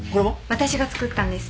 私が作ったんです。